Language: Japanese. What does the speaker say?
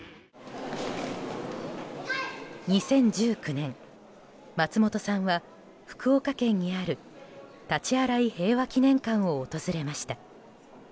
２０１９年、松本さんは福岡県にある大刀洗平和記念館を訪れました。